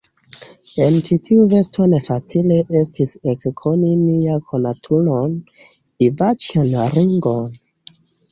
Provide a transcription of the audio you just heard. En ĉi tiu vesto ne facile estis ekkoni nian konatulon, Ivaĉjon Ringon.